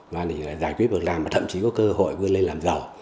mà là giải quyết việc làm thậm chí có cơ hội vươn lên làm giàu